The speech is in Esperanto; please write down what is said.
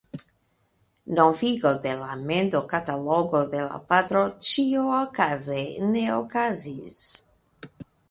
Novigo de la mendokatalogo de la patro ĉiuokaze ne okazis.